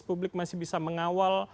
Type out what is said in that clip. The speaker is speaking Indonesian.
publik masih bisa mengawal